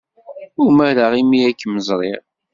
Umareɣ imi ay kem-ẓriɣ.